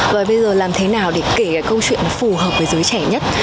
và bây giờ làm thế nào để kể cái câu chuyện phù hợp với giới trẻ nhất